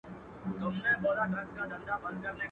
لویه خدایه ته خو ګډ کړې دا د کاڼو زیارتونه.